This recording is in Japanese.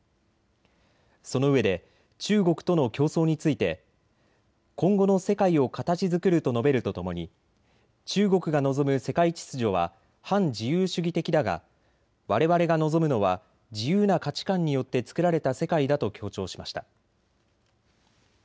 そのうえで中国との競争について今後の世界を形づくると述べるとともに中国が望む世界秩序は反自由主義的だがわれわれが望むのは自由な価値観によって作られた世界だと強調しました。